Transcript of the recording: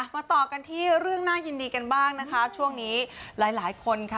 มาต่อกันที่เรื่องน่ายินดีกันบ้างนะคะช่วงนี้หลายหลายคนค่ะ